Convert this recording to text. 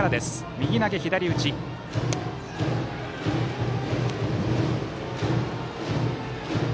右投げ左打ちです。